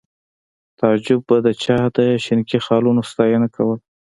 تعجب به د چا د شینکي خالونو ستاینه کوله